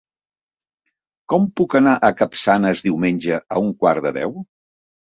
Com puc anar a Capçanes diumenge a un quart de deu?